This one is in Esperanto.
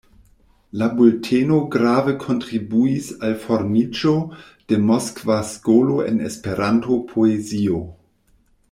La bulteno grave kontribuis al formiĝo de Moskva skolo en Esperanto-poezio.